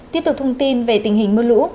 tiếp tục thông tin về tình hình mưa lũ